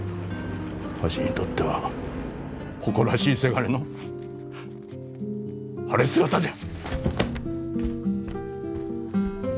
わしにとっては誇らしいせがれの晴れ姿じゃ。